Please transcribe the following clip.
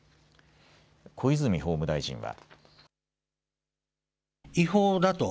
小泉法務大臣は。